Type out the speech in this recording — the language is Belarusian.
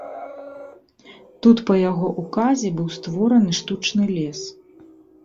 Тут па яго ўказе быў створаны штучны лес.